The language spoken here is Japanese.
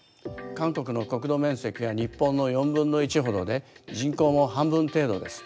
韓国の国土面積は日本の４分の１ほどで人口も半分程度です。